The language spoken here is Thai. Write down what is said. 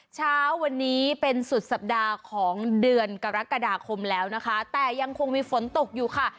เช้าวันนี้เป็นสุดสัปดาห์ของเดือนกรกฎาคมแล้วนะคะแต่ยังคงมีฝนตกอยู่ค่ะ